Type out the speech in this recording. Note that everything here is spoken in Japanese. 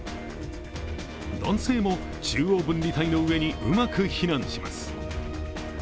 男性も中央分離帯の上にうまく避難します。